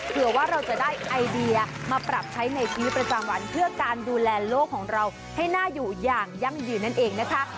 เผื่อว่าเราจะได้ไอเดียมาปรับใช้ในชีวิตประจำวันเพื่อการดูแลโลกของเราให้น่าอยู่อย่างยั่งยืนนั่นเองนะคะ